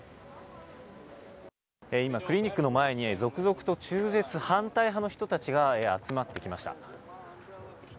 今、クリニックの前に、続々と中絶反対派の人たちが集まってきました。